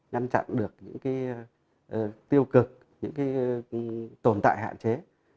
ngăn chặn được những cái tiêu cực những cái tồn tại hạn chế